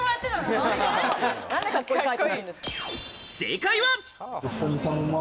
正解は。